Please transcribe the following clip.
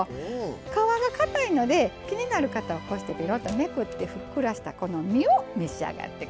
皮がかたいので気になる方はこうしてペロッとめくってふっくらしたこの身を召し上がってください。